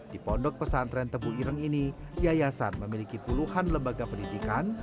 di pondok pesantren tebu ireng ini yayasan memiliki puluhan lembaga pendidikan